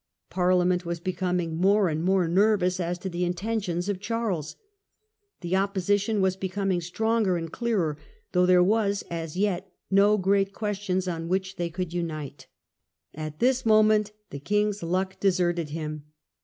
Parliament was becoming more and more nervous as to the intentions of Charles. The opposition was becoming stronger and clearer, though there was, as yet, no great question on which they could unite. At this moment the king's luck deserted him.